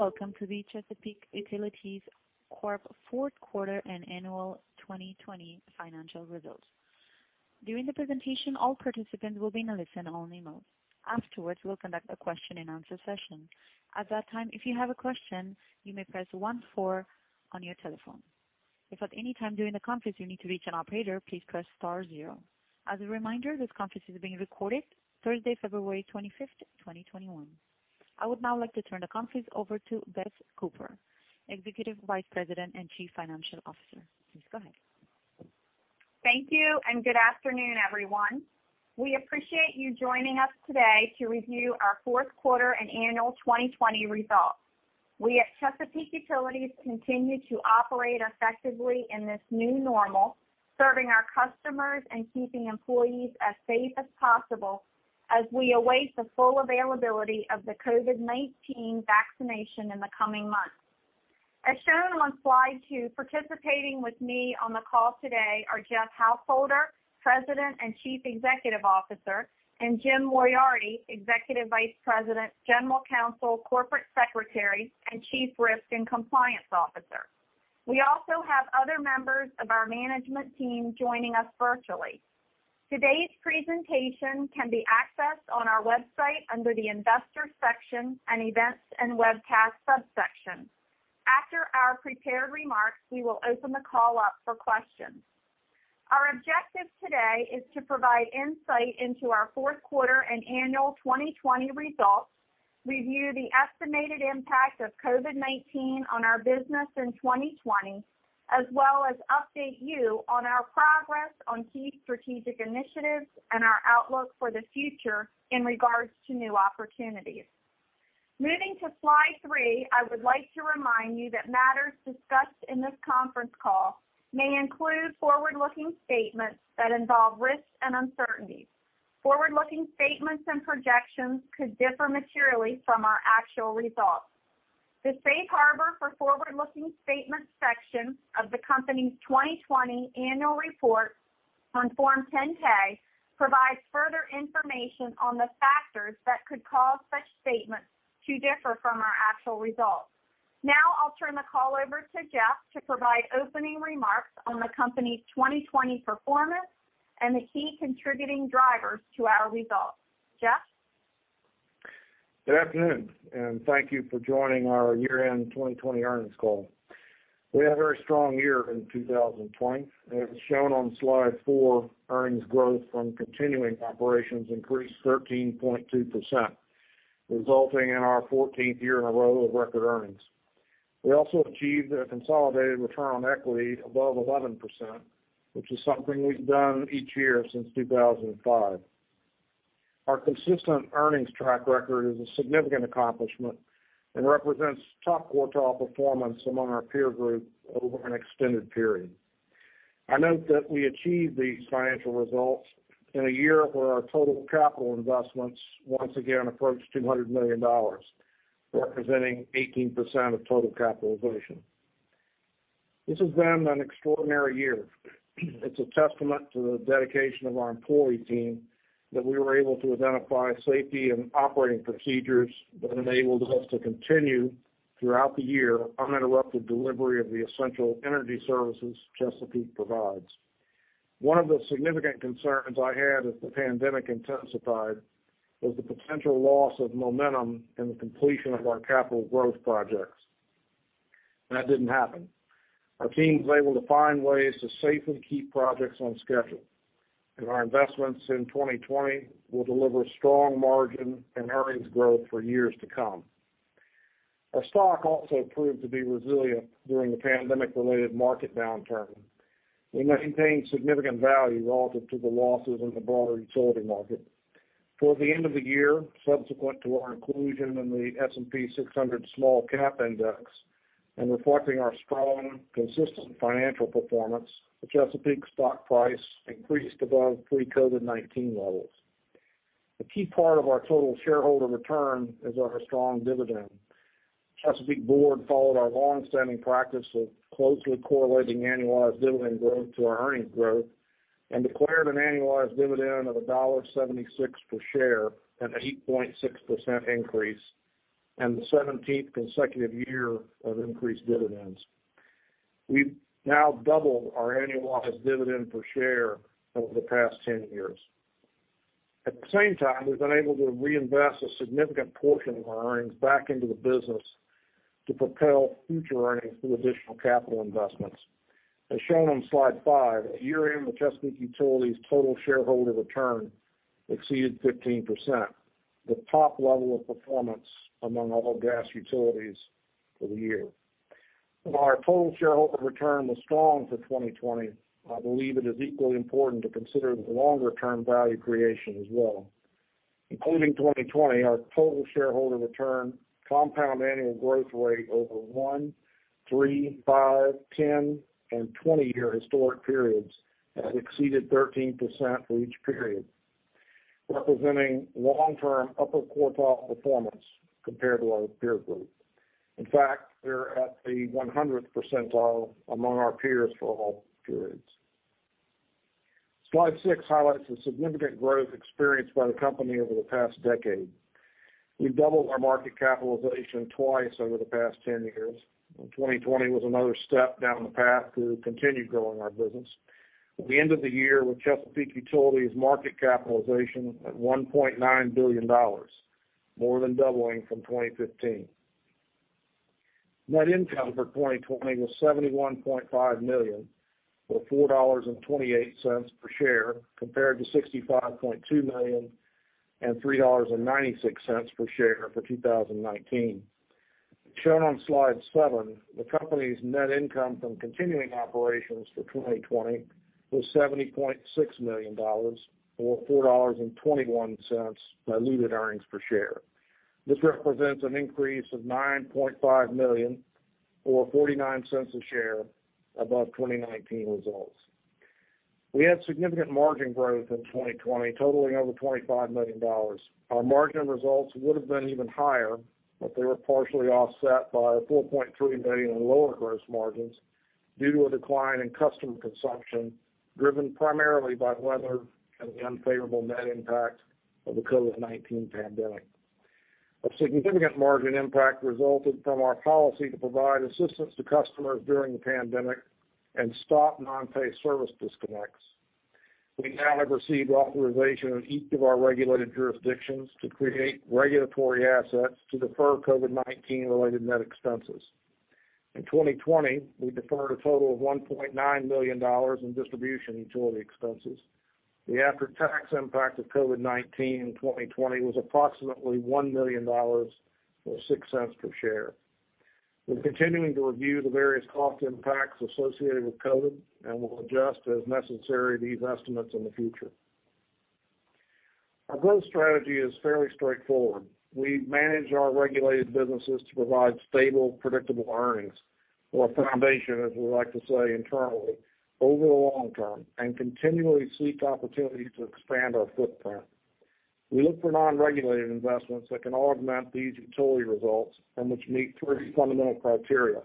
Welcome to the Chesapeake Utilities Corporation Fourth Quarter and Annual 2020 Financial Results. During the presentation, all participants will be in a listen-only mode. Afterwards, we'll conduct a question-and-answer session. At that time, if you have a question, you may press 1-4 on your telephone. If at any time during the conference you need to reach an operator, please press star zero. As a reminder, this conference is being recorded. Thursday, February 25th, 2021. I would now like to turn the conference over to Beth Cooper, Executive Vice President and Chief Financial Officer. Please go ahead. Thank you, and good afternoon, everyone. We appreciate you joining us today to review our Fourth Quarter and Annual 2020 Results. We at Chesapeake Utilities continue to operate effectively in this new normal, serving our customers and keeping employees as safe as possible as we await the full availability of the COVID-19 vaccination in the coming months. As shown on slide two, participating with me on the call today are Jeff Householder, President and Chief Executive Officer, and James Moriarty, Executive Vice President, General Counsel, Corporate Secretary, and Chief Risk and Compliance Officer. We also have other members of our management team joining us virtually. Today's presentation can be accessed on our website under the Investor Section and Events and Webcast subsection. After our prepared remarks, we will open the call up for questions. Our objective today is to provide insight into our Fourth Quarter and Annual 2020 Results, review the estimated impact of COVID-19 on our business in 2020, as well as update you on our progress on key strategic initiatives and our outlook for the future in regards to new opportunities. Moving to slide three, I would like to remind you that matters discussed in this conference call may include forward-looking statements that involve risks and uncertainties. Forward-looking statements and projections could differ materially from our actual results. The safe harbor for forward-looking statements section of the company's 2020 Annual Report on Form 10-K provides further information on the factors that could cause such statements to differ from our actual results. Now, I'll turn the call over to Jeff to provide opening remarks on the company's 2020 performance and the key contributing drivers to our results. Jeff? Good afternoon, and thank you for joining our year-end 2020 earnings call. We had a very strong year in 2020. As shown on slide four, earnings growth from continuing operations increased 13.2%, resulting in our 14th year in a row of record earnings. We also achieved a consolidated return on equity above 11%, which is something we've done each year since 2005. Our consistent earnings track record is a significant accomplishment and represents top quartile performance among our peer group over an extended period. I note that we achieved these financial results in a year where our total capital investments once again approached $200 million, representing 18% of total capitalization. This has been an extraordinary year. It's a testament to the dedication of our employee team that we were able to identify safety and operating procedures that enabled us to continue throughout the year uninterrupted delivery of the essential energy services Chesapeake provides. One of the significant concerns I had as the pandemic intensified was the potential loss of momentum in the completion of our capital growth projects. That didn't happen. Our team was able to find ways to safely keep projects on schedule, and our investments in 2020 will deliver strong margin and earnings growth for years to come. Our stock also proved to be resilient during the pandemic-related market downturn. We maintained significant value relative to the losses in the broader utility market. Toward the end of the year, subsequent to our inclusion in the S&P 600 Small Cap Index and reflecting our strong, consistent financial performance, the Chesapeake stock price increased above pre-COVID-19 levels. A key part of our total shareholder return is our strong dividend. Chesapeake Board followed our longstanding practice of closely correlating annualized dividend growth to our earnings growth and declared an annualized dividend of $1.76 per share, an 8.6% increase, and the 17th consecutive year of increased dividends. We've now doubled our annualized dividend per share over the past 10 years. At the same time, we've been able to reinvest a significant portion of our earnings back into the business to propel future earnings through additional capital investments. As shown on slide five, at year-end, the Chesapeake Utilities' total shareholder return exceeded 15%, the top level of performance among all gas utilities for the year. While our total shareholder return was strong for 2020, I believe it is equally important to consider the longer-term value creation as well. Including 2020, our total shareholder return compound annual growth rate over 1-, 3-, 5-, 10-, and 20-year historic periods has exceeded 13% for each period, representing long-term upper quartile performance compared to our peer group. In fact, we're at the 100th percentile among our peers for all periods. Slide six highlights the significant growth experienced by the company over the past decade. We've doubled our market capitalization twice over the past 10 years, and 2020 was another step down the path to continue growing our business. At the end of the year, with Chesapeake Utilities' market capitalization at $1.9 billion, more than doubling from 2015. Net income for 2020 was $71.5 million, or $4.28 per share, compared to $65.2 million and $3.96 per share for 2019. As shown on slide seven, the company's net income from continuing operations for 2020 was $70.6 million, or $4.21 diluted earnings per share. This represents an increase of $9.5 million, or $0.49 a share, above 2019 results. We had significant margin growth in 2020, totaling over $25 million. Our margin results would have been even higher, but they were partially offset by a $4.3 million and lower gross margins due to a decline in customer consumption driven primarily by weather and the unfavorable net impact of the COVID-19 pandemic. A significant margin impact resulted from our policy to provide assistance to customers during the pandemic and stop non-pay service disconnects. We now have received authorization in each of our regulated jurisdictions to create regulatory assets to defer COVID-19-related net expenses. In 2020, we deferred a total of $1.9 million in distribution utility expenses. The after-tax impact of COVID-19 in 2020 was approximately $1.06 per share. We're continuing to review the various cost impacts associated with COVID and will adjust as necessary these estimates in the future. Our growth strategy is fairly straightforward. We manage our regulated businesses to provide stable, predictable earnings, or a foundation, as we like to say internally, over the long term and continually seek opportunities to expand our footprint. We look for non-regulated investments that can augment these utility results and which meet three fundamental criteria: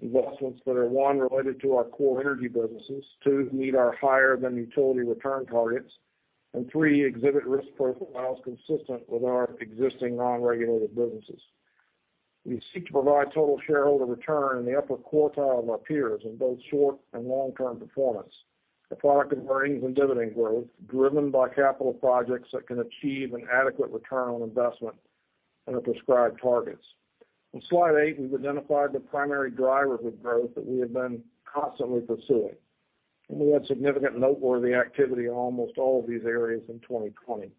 investments that are, one, related to our core energy businesses, two, meet our higher-than-utility return targets, and three, exhibit risk profiles consistent with our existing non-regulated businesses. We seek to provide total shareholder return in the upper quartile of our peers in both short and long-term performance, a product of earnings and dividend growth driven by capital projects that can achieve an adequate return on investment and are prescribed targets. On slide eight, we've identified the primary drivers of growth that we have been constantly pursuing, and we had significant noteworthy activity in almost all of these areas in 2020.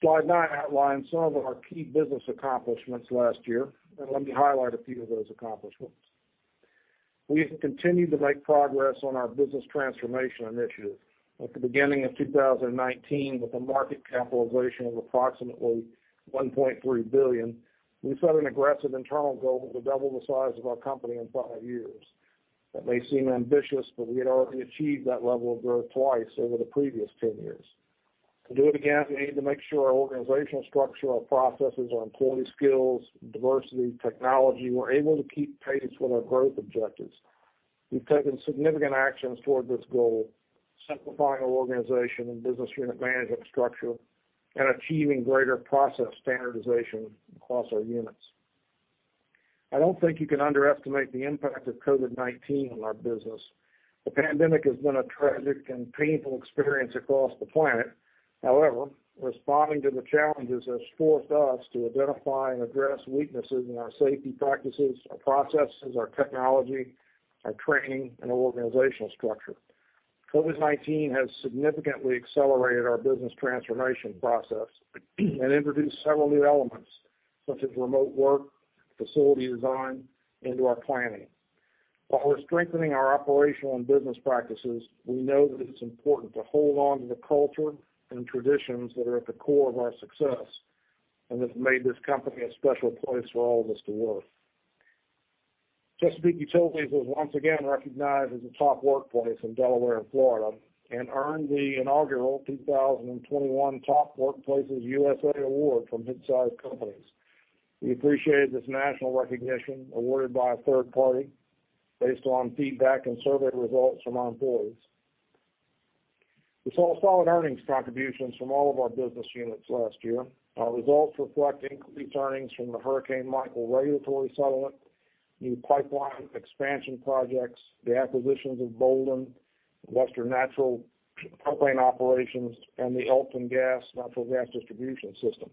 Slide nine outlines some of our key business accomplishments last year, and let me highlight a few of those accomplishments. We have continued to make progress on our business transformation initiative. At the beginning of 2019, with a market capitalization of approximately $1.3 billion, we set an aggressive internal goal to double the size of our company in five years. That may seem ambitious, but we had already achieved that level of growth twice over the previous 10 years. To do it again, we need to make sure our organizational structure, our processes, our employee skills, diversity, and technology were able to keep pace with our growth objectives. We've taken significant actions toward this goal, simplifying our organization and business unit management structure and achieving greater process standardization across our units. I don't think you can underestimate the impact of COVID-19 on our business. The pandemic has been a tragic and painful experience across the planet. However, responding to the challenges has forced us to identify and address weaknesses in our safety practices, our processes, our technology, our training, and our organizational structure. COVID-19 has significantly accelerated our business transformation process and introduced several new elements, such as remote work, facility design, into our planning. While we're strengthening our operational and business practices, we know that it's important to hold on to the culture and traditions that are at the core of our success and that have made this company a special place for all of us to work. Chesapeake Utilities was once again recognized as a top workplace in Delaware and Florida and earned the inaugural 2021 Top Workplaces USA Award from mid-sized companies. We appreciated this national recognition awarded by a third party based on feedback and survey results from our employees. We saw solid earnings contributions from all of our business units last year. Our results reflect increased earnings from the Hurricane Michael regulatory settlement, new pipeline expansion projects, the acquisitions of Boulden, Western Natural Gas, and the Elkton Gas Natural Gas Distribution System.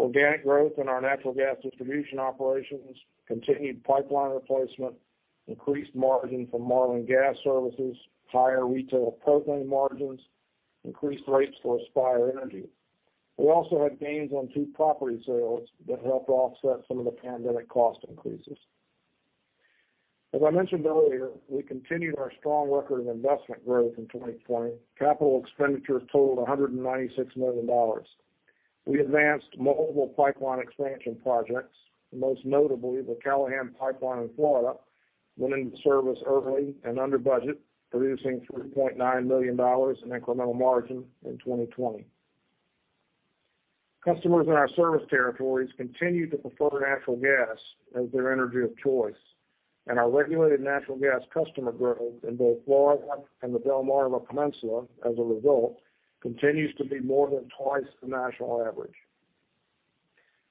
Organic growth in our natural gas distribution operations, continued pipeline replacement, increased margin from Marlin Gas Services, higher retail propane margins, increased rates for Aspire Energy. We also had gains on two property sales that helped offset some of the pandemic cost increases. As I mentioned earlier, we continued our strong record of investment growth in 2020. Capital expenditures totaled $196 million. We advanced multiple pipeline expansion projects, most notably the Callahan Pipeline in Florida, went into service early and under budget, producing $3.9 million in incremental margin in 2020. Customers in our service territories continue to prefer natural gas as their energy of choice, and our regulated natural gas customer growth in both Florida and the Delmarva Peninsula, as a result, continues to be more than twice the national average.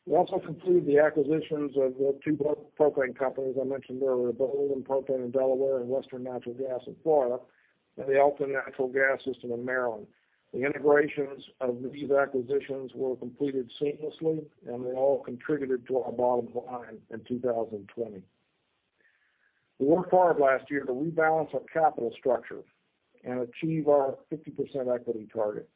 We also completed the acquisitions of the two propane companies I mentioned earlier, Boulden Propane in Delaware and Western Natural Gas in Florida, and the Elkton Natural Gas System in Maryland. The integrations of these acquisitions were completed seamlessly, and they all contributed to our bottom line in 2020. We worked hard last year to rebalance our capital structure and achieve our 50% equity target.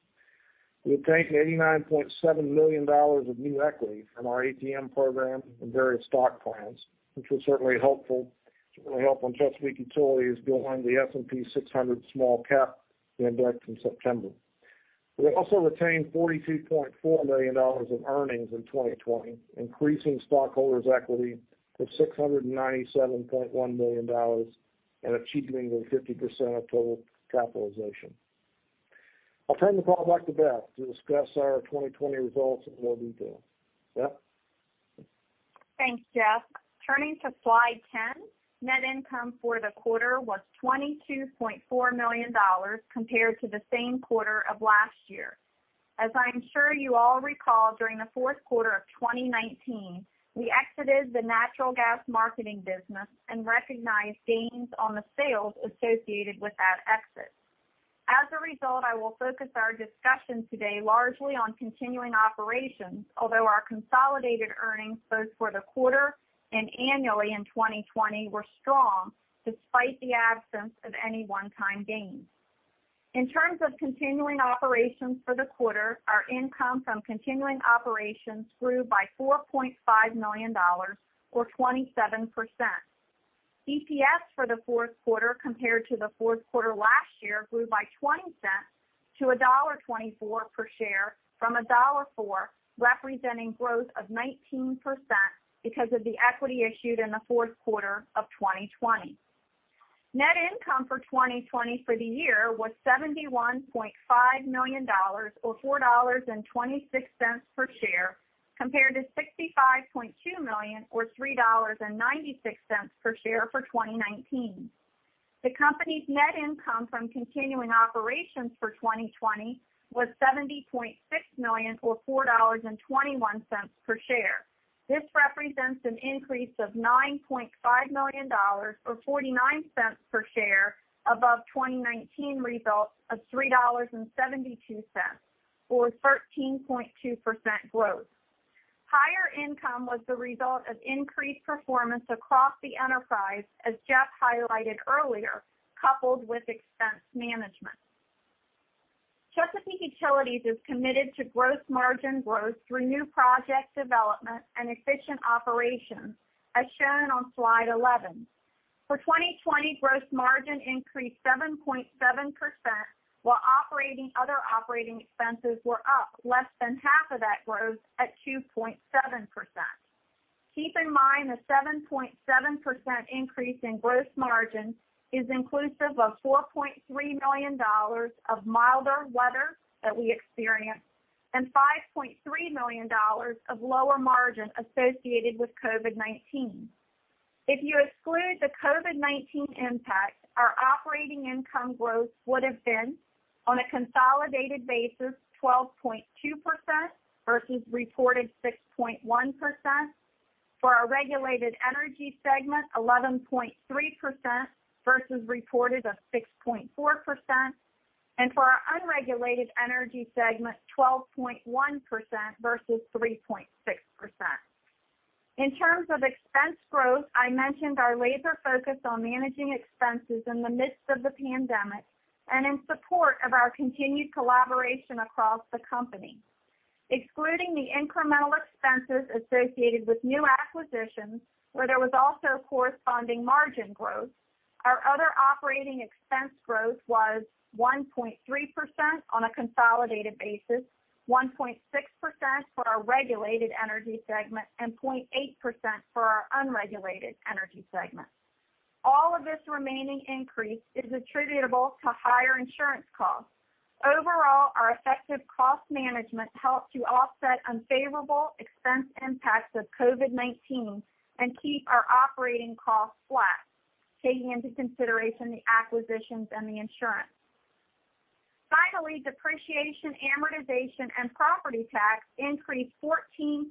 We obtained $89.7 million of new equity from our ATM program and various stock plans, which was certainly helpful. It certainly helped when Chesapeake Utilities joined the S&P 600 Small Cap Index in September. We also retained $42.4 million in earnings in 2020, increasing stockholders' equity to $697.1 million and achieving the 50% of total capitalization. I'll turn the call back to Beth to discuss our 2020 results in more detail. Beth? Thanks, Jeff. Turning to slide ten, net income for the quarter was $22.4 million compared to the same quarter of last year. As I'm sure you all recall, during the fourth quarter of 2019, we exited the natural gas marketing business and recognized gains on the sales associated with that exit. As a result, I will focus our discussion today largely on continuing operations, although our consolidated earnings, both for the quarter and annually in 2020, were strong despite the absence of any one-time gains. In terms of continuing operations for the quarter, our income from continuing operations grew by $4.5 million, or 27%. EPS for the fourth quarter, compared to the fourth quarter last year, grew by $0.20 to $1.24 per share, from $1.04, representing growth of 19% because of the equity issued in the fourth quarter of 2020. Net income for 2020 for the year was $71.5 million, or $4.26 per share, compared to $65.2 million, or $3.96 per share for 2019. The company's net income from continuing operations for 2020 was $70.6 million, or $4.21 per share. This represents an increase of $9.5 million, or $0.49 per share, above 2019 results of $3.72, or 13.2% growth. Higher income was the result of increased performance across the enterprise, as Jeff highlighted earlier, coupled with expense management. Chesapeake Utilities is committed to gross margin growth through new project development and efficient operations, as shown on slide 11. For 2020, gross margin increased 7.7%, while operating expenses were up less than half of that growth at 2.7%. Keep in mind the 7.7% increase in gross margin is inclusive of $4.3 million of milder weather that we experienced and $5.3 million of lower margin associated with COVID-19. If you exclude the COVID-19 impact, our operating income growth would have been, on a consolidated basis, 12.2% versus reported 6.1%. For our regulated energy segment, 11.3% versus reported of 6.4%, and for our unregulated energy segment, 12.1% versus 3.6%. In terms of expense growth, I mentioned our laser focus on managing expenses in the midst of the pandemic and in support of our continued collaboration across the company. Excluding the incremental expenses associated with new acquisitions, where there was also corresponding margin growth, our other operating expense growth was 1.3% on a consolidated basis, 1.6% for our regulated energy segment, and 0.8% for our unregulated energy segment. All of this remaining increase is attributable to higher insurance costs. Overall, our effective cost management helped to offset unfavorable expense impacts of COVID-19 and keep our operating costs flat, taking into consideration the acquisitions and the insurance. Finally, depreciation, amortization, and property tax increased $14.5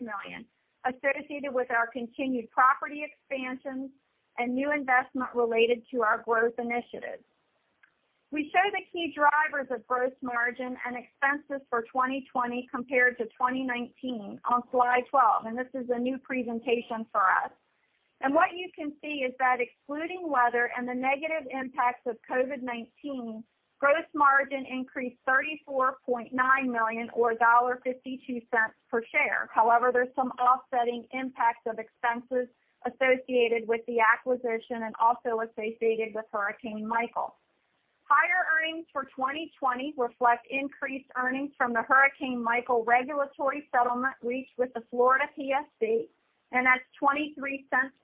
million associated with our continued property expansions and new investment related to our growth initiatives. We show the key drivers of gross margin and expenses for 2020 compared to 2019 on slide 12, and this is a new presentation for us, and what you can see is that excluding weather and the negative impacts of COVID-19, gross margin increased $34.9 million, or $1.52 per share. However, there's some offsetting impacts of expenses associated with the acquisition and also associated with Hurricane Michael. Higher earnings for 2020 reflect increased earnings from the Hurricane Michael regulatory settlement reached with the Florida PSC, and that's $0.23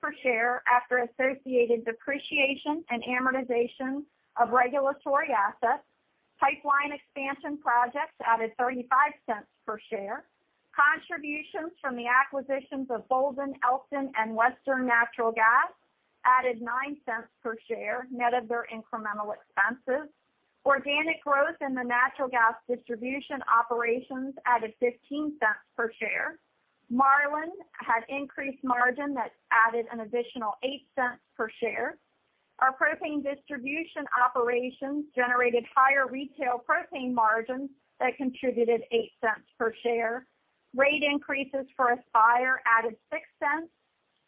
per share after associated depreciation and amortization of regulatory assets. Pipeline expansion projects added $0.35 per share. Contributions from the acquisitions of Boulden, Elkton, and Western Natural Gas added $0.09 per share, net of their incremental expenses. Organic growth in the natural gas distribution operations added $0.15 per share. Marlin had increased margin that added an additional $0.08 per share. Our propane distribution operations generated higher retail propane margins that contributed $0.08 per share. Rate increases for Aspire added $0.06,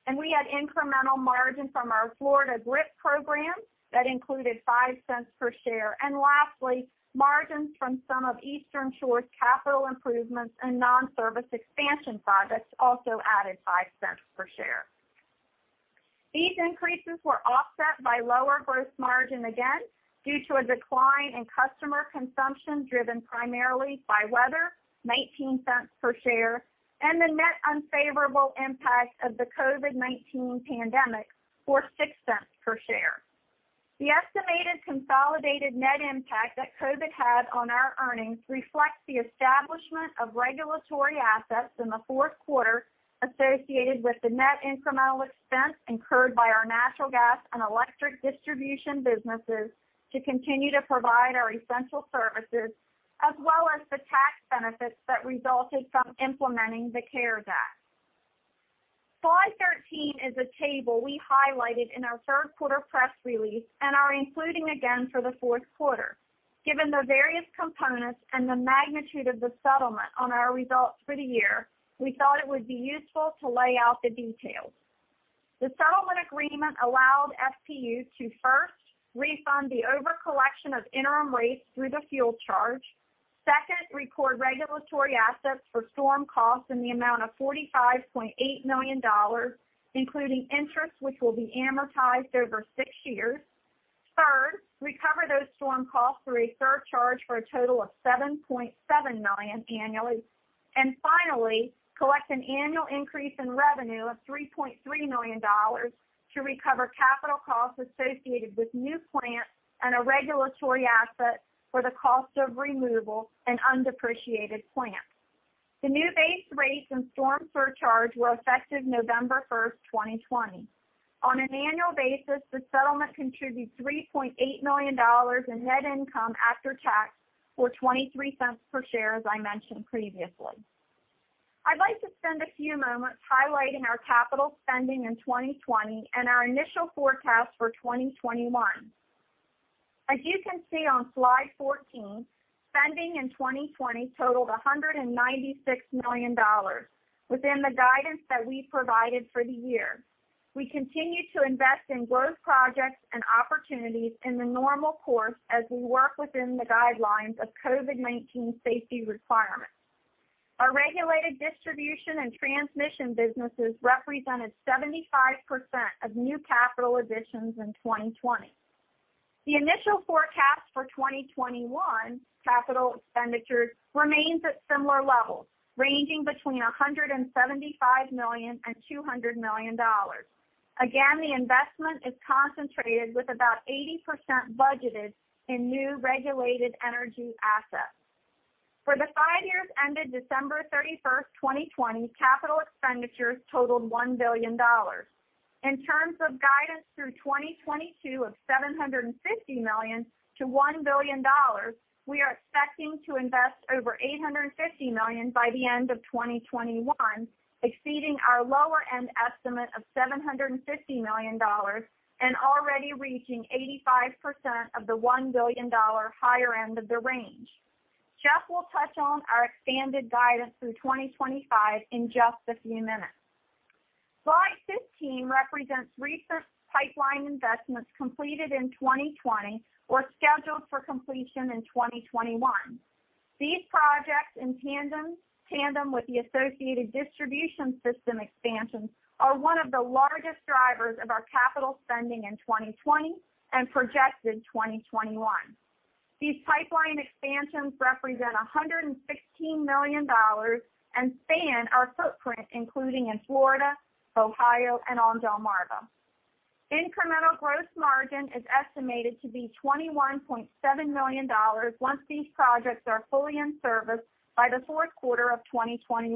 and we had incremental margin from our Florida GRIP program that included $0.05 per share, and lastly, margins from some of Eastern Shore's capital improvements and non-service expansion projects also added $0.05 per share. These increases were offset by lower gross margin again due to a decline in customer consumption driven primarily by weather, $0.19 per share, and the net unfavorable impact of the COVID-19 pandemic, or $0.06 per share. The estimated consolidated net impact that COVID had on our earnings reflects the establishment of regulatory assets in the fourth quarter associated with the net incremental expense incurred by our natural gas and electric distribution businesses to continue to provide our essential services, as well as the tax benefits that resulted from implementing the CARES Act. Slide 13 is a table we highlighted in our third quarter press release and are including again for the fourth quarter. Given the various components and the magnitude of the settlement on our results for the year, we thought it would be useful to lay out the details. The settlement agreement allowed FPU to, first, refund the overcollection of interim rates through the fuel charge, second, record regulatory assets for storm costs in the amount of $45.8 million, including interest which will be amortized over six years, third, recover those storm costs through a surcharge for a total of $7.7 million annually, and finally, collect an annual increase in revenue of $3.3 million to recover capital costs associated with new plants and a regulatory asset for the cost of removal and undepreciated plants. The new base rates and storm surcharge were effective November 1, 2020. On an annual basis, the settlement contributes $3.8 million in net income after tax, or $0.23 per share, as I mentioned previously. I'd like to spend a few moments highlighting our capital spending in 2020 and our initial forecast for 2021. As you can see on slide 14, spending in 2020 totaled $196 million within the guidance that we provided for the year. We continue to invest in growth projects and opportunities in the normal course as we work within the guidelines of COVID-19 safety requirements. Our regulated distribution and transmission businesses represented 75% of new capital additions in 2020. The initial forecast for 2021 capital expenditures remains at similar levels, ranging between $175 million-$200 million. Again, the investment is concentrated, with about 80% budgeted in new regulated energy assets. For the five years ended December 31, 2020, capital expenditures totaled $1 billion. In terms of guidance through 2022 of $750 million-$1 billion, we are expecting to invest over $850 million by the end of 2021, exceeding our lower-end estimate of $750 million and already reaching 85% of the $1 billion higher end of the range. Jeff will touch on our expanded guidance through 2025 in just a few minutes. Slide 15 represents recent pipeline investments completed in 2020 or scheduled for completion in 2021. These projects, in tandem with the associated distribution system expansions, are one of the largest drivers of our capital spending in 2020 and projected 2021. These pipeline expansions represent $116 million and span our footprint, including in Florida, Ohio, and on Delmarva. Incremental gross margin is estimated to be $21.7 million once these projects are fully in service by the fourth quarter of 2021.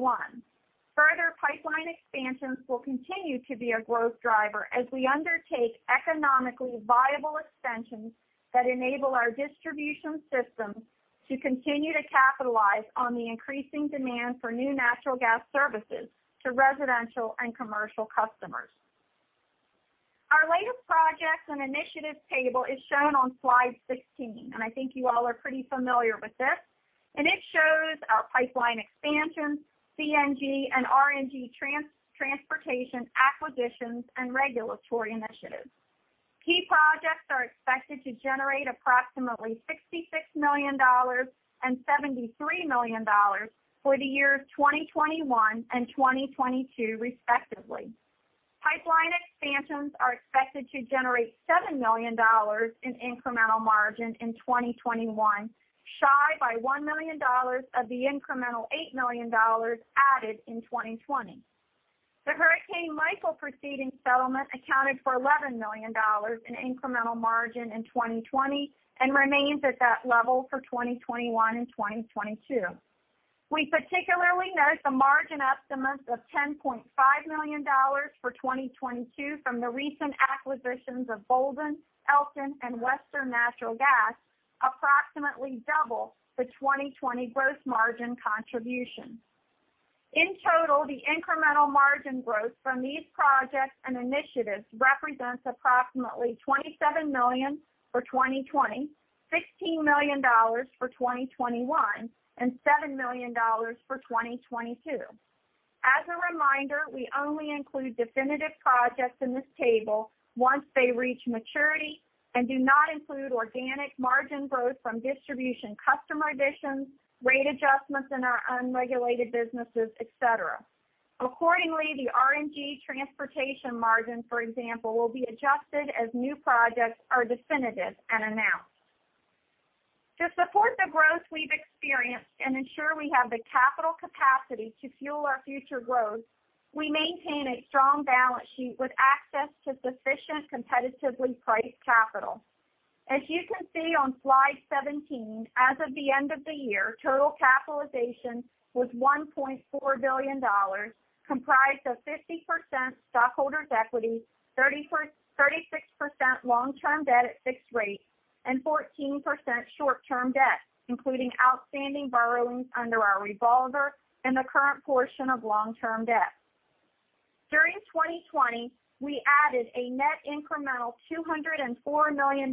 Further, pipeline expansions will continue to be a growth driver as we undertake economically viable expansions that enable our distribution systems to continue to capitalize on the increasing demand for new natural gas services to residential and commercial customers. Our latest projects and initiatives table is shown on slide 16, and I think you all are pretty familiar with this. And it shows our pipeline expansions, CNG and RNG transportation acquisitions, and regulatory initiatives. Key projects are expected to generate approximately $66 million and $73 million for the years 2021 and 2022, respectively. Pipeline expansions are expected to generate $7 million in incremental margin in 2021, shy by $1 million of the incremental $8 million added in 2020. The Hurricane Michael preceding settlement accounted for $11 million in incremental margin in 2020 and remains at that level for 2021 and 2022. We particularly note the margin estimates of $10.5 million for 2022 from the recent acquisitions of Boulden, Elkton, and Western Natural Gas, approximately double the 2020 gross margin contribution. In total, the incremental margin growth from these projects and initiatives represents approximately $27 million for 2020, $16 million for 2021, and $7 million for 2022. As a reminder, we only include definitive projects in this table once they reach maturity and do not include organic margin growth from distribution customer additions, rate adjustments in our unregulated businesses, etc. Accordingly, the RNG transportation margin, for example, will be adjusted as new projects are definitive and announced. To support the growth we've experienced and ensure we have the capital capacity to fuel our future growth, we maintain a strong balance sheet with access to sufficient competitively priced capital. As you can see on slide 17, as of the end of the year, total capitalization was $1.4 billion, comprised of 50% stockholders' equity, 36% long-term debt at fixed rates, and 14% short-term debt, including outstanding borrowings under our revolver and the current portion of long-term debt. During 2020, we added a net incremental $204 million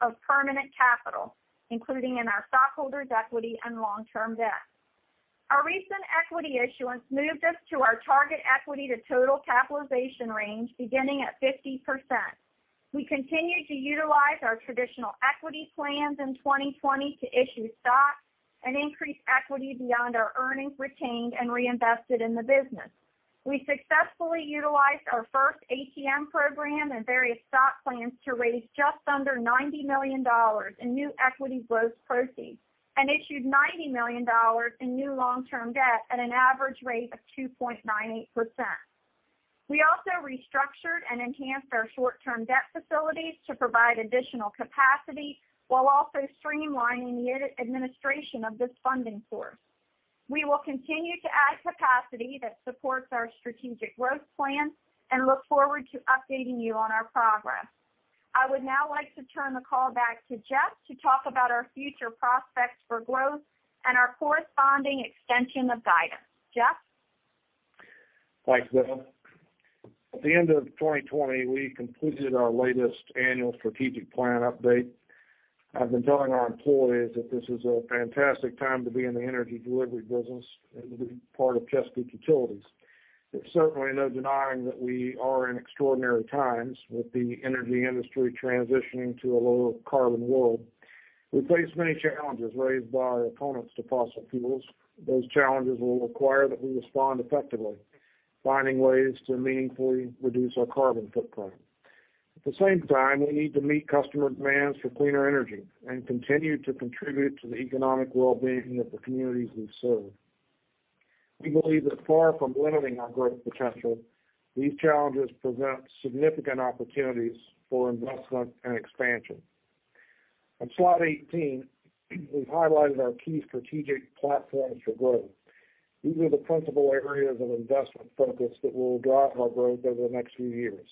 of permanent capital, including in our stockholders' equity and long-term debt. Our recent equity issuance moved us to our target equity-to-total capitalization range, beginning at 50%. We continued to utilize our traditional equity plans in 2020 to issue stock and increase equity beyond our earnings retained and reinvested in the business. We successfully utilized our first ATM program and various stock plans to raise just under $90 million in new equity growth proceeds and issued $90 million in new long-term debt at an average rate of 2.98%. We also restructured and enhanced our short-term debt facilities to provide additional capacity while also streamlining the administration of this funding source. We will continue to add capacity that supports our strategic growth plan and look forward to updating you on our progress. I would now like to turn the call back to Jeff to talk about our future prospects for growth and our corresponding extension of guidance. Jeff? Thanks, Beth. At the end of 2020, we completed our latest annual strategic plan update. I've been telling our employees that this is a fantastic time to be in the energy delivery business and to be part of Chesapeake Utilities. There's certainly no denying that we are in extraordinary times with the energy industry transitioning to a low-carbon world. We face many challenges raised by our opponents to fossil fuels. Those challenges will require that we respond effectively, finding ways to meaningfully reduce our carbon footprint. At the same time, we need to meet customer demands for cleaner energy and continue to contribute to the economic well-being of the communities we serve. We believe that far from limiting our growth potential, these challenges present significant opportunities for investment and expansion. On slide 18, we've highlighted our key strategic platforms for growth. These are the principal areas of investment focus that will drive our growth over the next few years.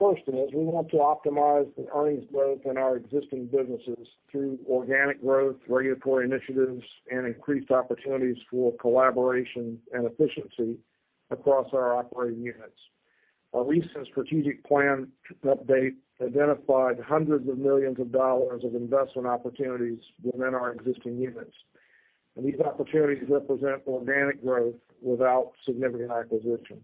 First is we want to optimize the earnings growth in our existing businesses through organic growth, regulatory initiatives, and increased opportunities for collaboration and efficiency across our operating units. Our recent strategic plan update identified hundreds of millions of dollars of investment opportunities within our existing units, and these opportunities represent organic growth without significant acquisition.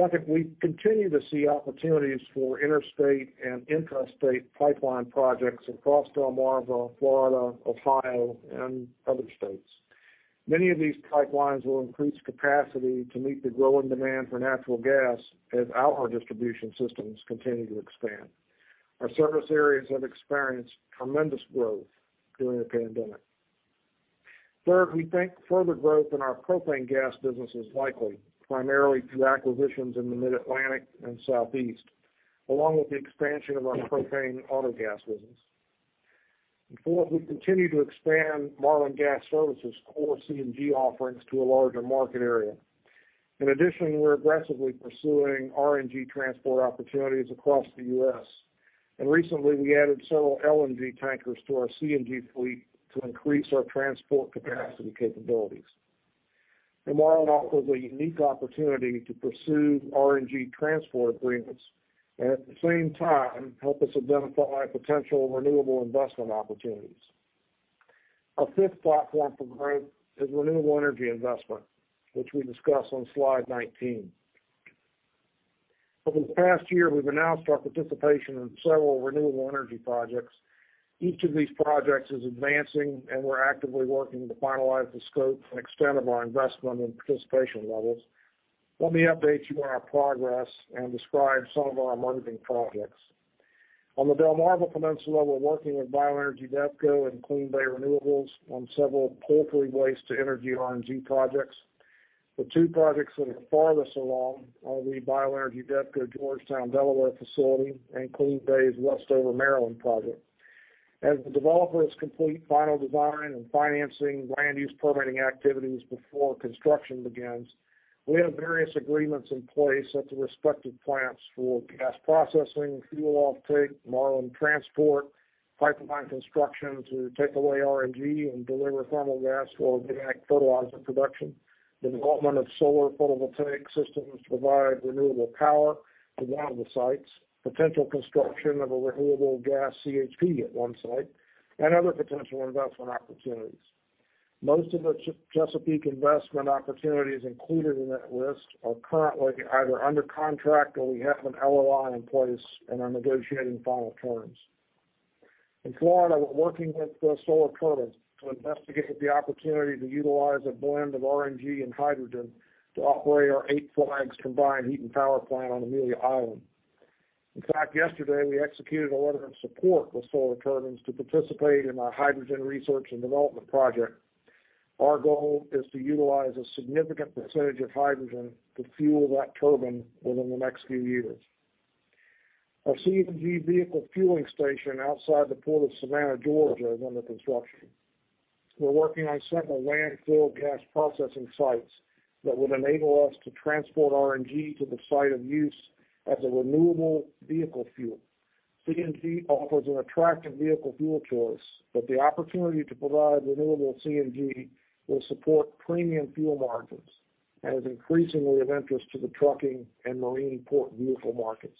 Second, we continue to see opportunities for interstate and intrastate pipeline projects across Delmarva, Florida, Ohio, and other states. Many of these pipelines will increase capacity to meet the growing demand for natural gas as our distribution systems continue to expand. Our service areas have experienced tremendous growth during the pandemic. Third, we think further growth in our propane gas business is likely, primarily through acquisitions in the Mid-Atlantic and Southeast, along with the expansion of our propane autogas business. And fourth, we continue to expand Marlin Gas Services' core CNG offerings to a larger market area. In addition, we're aggressively pursuing RNG transport opportunities across the U.S. And recently, we added several LNG tankers to our CNG fleet to increase our transport capacity capabilities. And Marlin offers a unique opportunity to pursue RNG transport agreements and, at the same time, help us identify potential renewable investment opportunities. Our fifth platform for growth is renewable energy investment, which we discussed on slide 19. Over the past year, we've announced our participation in several renewable energy projects. Each of these projects is advancing, and we're actively working to finalize the scope and extent of our investment and participation levels. Let me update you on our progress and describe some of our emerging projects. On the Delmarva Peninsula, we're working with Bioenergy Devco and CleanBay Renewables on several poultry waste-to-energy RNG projects. The two projects that are farthest along are the Bioenergy Devco Georgetown, Delaware facility and CleanBay's Westover, Maryland project. As the developers complete final design and financing land-use permitting activities before construction begins, we have various agreements in place at the respective plants for gas processing, fuel offtake, Marlin transport, pipeline construction to take away RNG and deliver thermal gas for organic fertilizer production, the development of solar photovoltaic systems to provide renewable power to one of the sites, potential construction of a renewable gas CHP at one site, and other potential investment opportunities. Most of the Chesapeake investment opportunities included in that list are currently either under contract or we have an LOI in place and are negotiating final terms. In Florida, we're working with Solar Turbines to investigate the opportunity to utilize a blend of RNG and hydrogen to operate our Eight Flags combined heat and power plant on Amelia Island. In fact, yesterday, we executed a letter of support with Solar Turbines to participate in our hydrogen research and development project. Our goal is to utilize a significant percentage of hydrogen to fuel that turbine within the next few years. Our CNG vehicle fueling station outside the Port of Savannah, Georgia, is under construction. We're working on several landfill gas processing sites that would enable us to transport RNG to the site of use as a renewable vehicle fuel. CNG offers an attractive vehicle fuel choice, but the opportunity to provide renewable CNG will support premium fuel margins and is increasingly of interest to the trucking and marine port vehicle markets.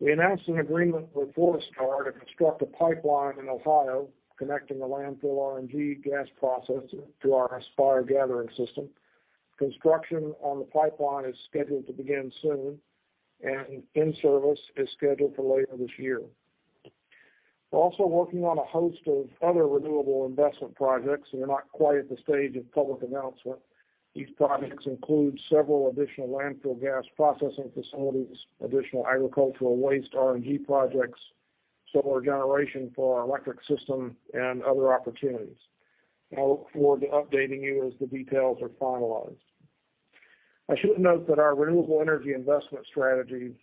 We announced an agreement with Fortistar to construct a pipeline in Ohio connecting a landfill RNG gas processor to our Aspire gathering system. Construction on the pipeline is scheduled to begin soon, and in-service is scheduled for later this year. We're also working on a host of other renewable investment projects that are not quite at the stage of public announcement. These projects include several additional landfill gas processing facilities, additional agricultural waste RNG projects, solar generation for our electric system, and other opportunities. I look forward to updating you as the details are finalized. I should note that our renewable energy investment strategy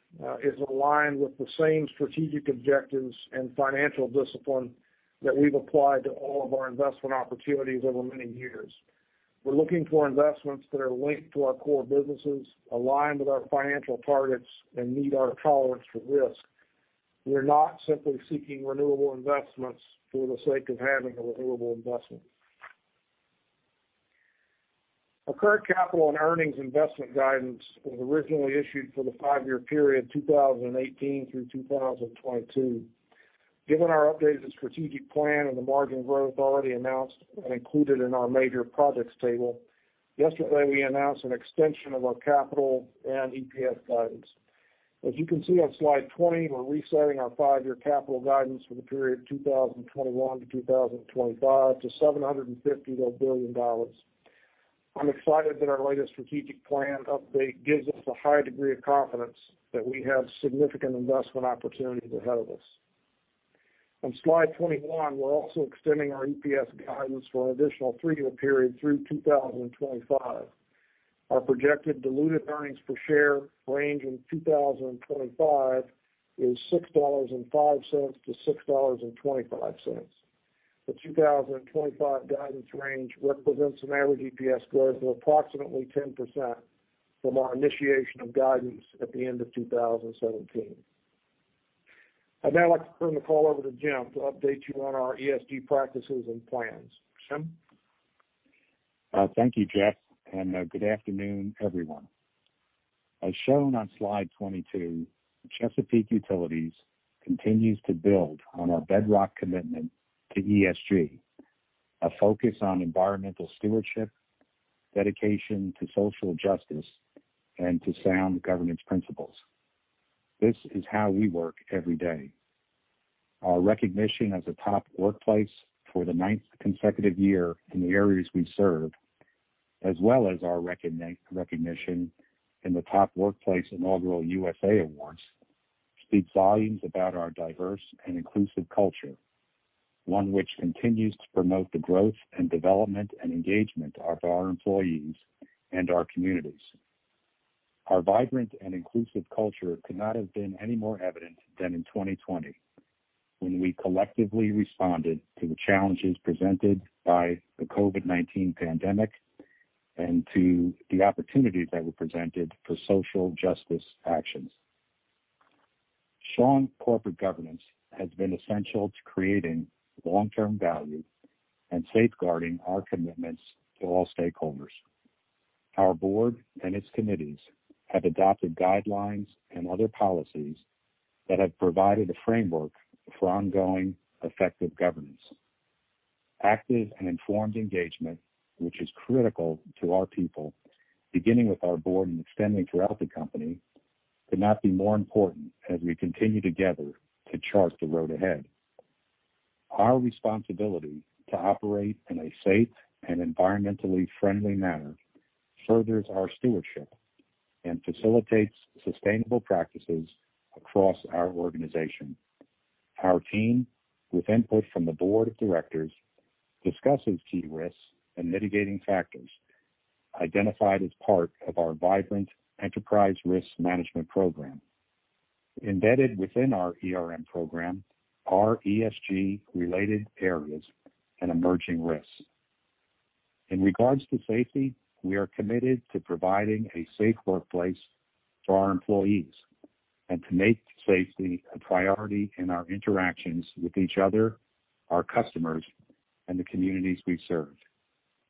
is aligned with the same strategic objectives and financial discipline that we've applied to all of our investment opportunities over many years. We're looking for investments that are linked to our core businesses, aligned with our financial targets, and meet our tolerance for risk. We're not simply seeking renewable investments for the sake of having a renewable investment. Our current capital and earnings investment guidance was originally issued for the five-year period 2018 through 2022. Given our updated strategic plan and the margin growth already announced and included in our major projects table, yesterday, we announced an extension of our capital and EPS guidance. As you can see on slide 20, we're resetting our five-year capital guidance for the period 2021 to 2025 to $750 million. I'm excited that our latest strategic plan update gives us a high degree of confidence that we have significant investment opportunities ahead of us. On slide 21, we're also extending our EPS guidance for an additional three-year period through 2025. Our projected diluted earnings per share range in 2025 is $6.05-$6.25. The 2025 guidance range represents an average EPS growth of approximately 10% from our initiation of guidance at the end of 2017. I'd now like to turn the call over to Jim to update you on our ESG practices and plans. James? Thank you, Jeff, and good afternoon, everyone. As shown on slide 22, Chesapeake Utilities continues to build on our bedrock commitment to ESG, a focus on environmental stewardship, dedication to social justice, and to sound governance principles. This is how we work every day. Our recognition as a top workplace for the ninth consecutive year in the areas we serve, as well as our recognition in the Top Workplace Inaugural USA Awards, speaks volumes about our diverse and inclusive culture, one which continues to promote the growth and development and engagement of our employees and our communities. Our vibrant and inclusive culture could not have been any more evident than in 2020 when we collectively responded to the challenges presented by the COVID-19 pandemic and to the opportunities that were presented for social justice actions. Strong corporate governance has been essential to creating long-term value and safeguarding our commitments to all stakeholders. Our board and its committees have adopted guidelines and other policies that have provided a framework for ongoing, effective governance. Active and informed engagement, which is critical to our people, beginning with our board and extending throughout the company, could not be more important as we continue together to chart the road ahead. Our responsibility to operate in a safe and environmentally friendly manner furthers our stewardship and facilitates sustainable practices across our organization. Our team, with input from the board of directors, discusses key risks and mitigating factors identified as part of our vibrant enterprise risk management program, embedded within our program, our ESG-related areas, and emerging risks. In regards to safety, we are committed to providing a safe workplace for our employees and to make safety a priority in our interactions with each other, our customers, and the communities we serve.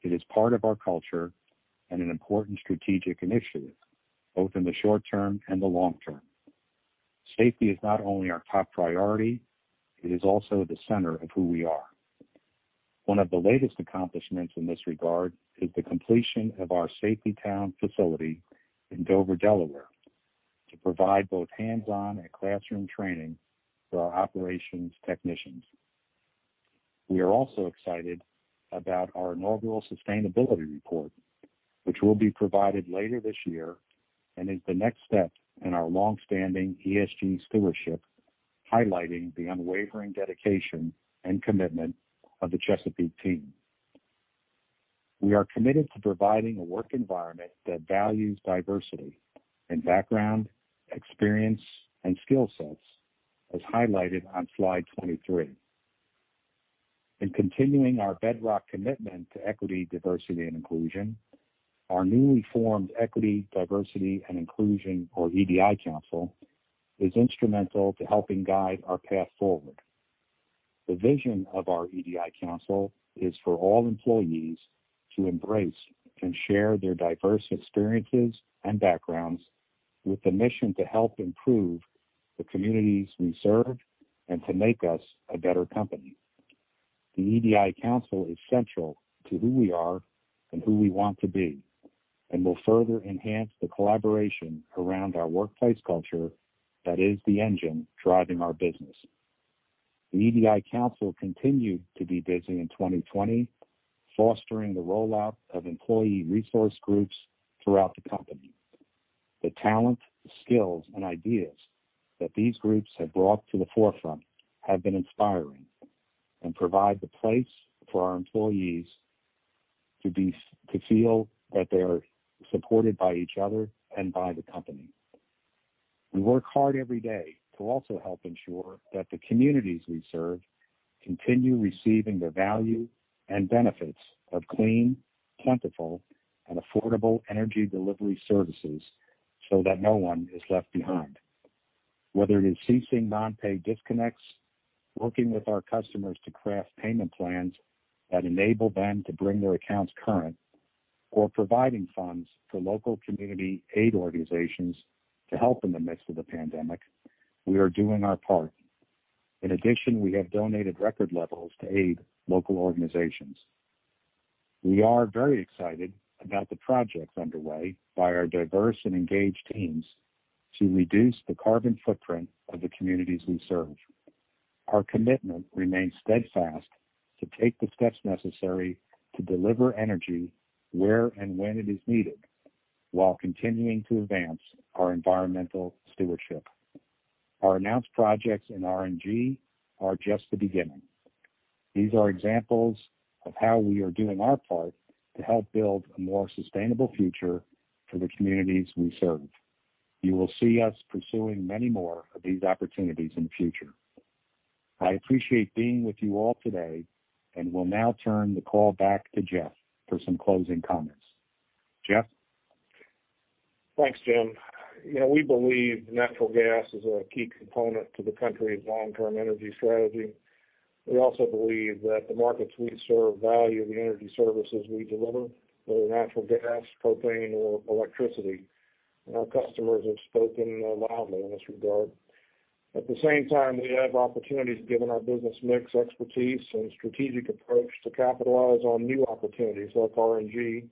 It is part of our culture and an important strategic initiative, both in the short term and the long term. Safety is not only our top priority. It is also the center of who we are. One of the latest accomplishments in this regard is the completion of our Safety Town facility in Dover, Delaware, to provide both hands-on and classroom training for our operations technicians. We are also excited about our inaugural sustainability report, which will be provided later this year and is the next step in our longstanding ESG stewardship, highlighting the unwavering dedication and commitment of the Chesapeake team. We are committed to providing a work environment that values diversity in background, experience, and skill sets, as highlighted on slide 23. In continuing our bedrock commitment to equity, diversity, and inclusion, our newly formed Equity, Diversity, and Inclusion, or EDI Council, is instrumental to helping guide our path forward. The vision of our EDI Council is for all employees to embrace and share their diverse experiences and backgrounds with the mission to help improve the communities we serve and to make us a better company. The EDI Council is central to who we are and who we want to be and will further enhance the collaboration around our workplace culture that is the engine driving our business. The EDI Council continued to be busy in 2020, fostering the rollout of employee resource groups throughout the company. The talent, skills, and ideas that these groups have brought to the forefront have been inspiring and provide the place for our employees to feel that they are supported by each other and by the company. We work hard every day to also help ensure that the communities we serve continue receiving the value and benefits of clean, plentiful, and affordable energy delivery services so that no one is left behind, whether it is ceasing non-pay disconnects, working with our customers to craft payment plans that enable them to bring their accounts current, or providing funds for local community aid organizations to help in the midst of the pandemic. We are doing our part. In addition, we have donated record levels to aid local organizations. We are very excited about the projects underway by our diverse and engaged teams to reduce the carbon footprint of the communities we serve. Our commitment remains steadfast to take the steps necessary to deliver energy where and when it is needed while continuing to advance our environmental stewardship. Our announced projects in RNG are just the beginning. These are examples of how we are doing our part to help build a more sustainable future for the communities we serve. You will see us pursuing many more of these opportunities in the future. I appreciate being with you all today and will now turn the call back to Jeff for some closing comments. Jeff? Thanks, James. We believe natural gas is a key component to the country's long-term energy strategy. We also believe that the markets we serve value the energy services we deliver, whether natural gas, propane, or electricity. Our customers have spoken loudly in this regard. At the same time, we have opportunities given our business mix, expertise, and strategic approach to capitalize on new opportunities like RNG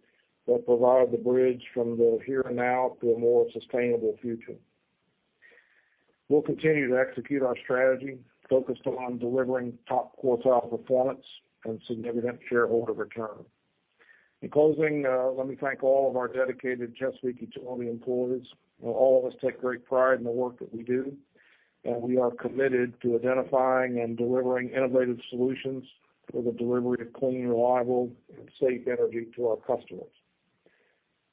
that provide the bridge from the here and now to a more sustainable future. We'll continue to execute our strategy focused on delivering top quartile performance and significant shareholder return. In closing, let me thank all of our dedicated Chesapeake Utilities employees. All of us take great pride in the work that we do, and we are committed to identifying and delivering innovative solutions for the delivery of clean, reliable, and safe energy to our customers.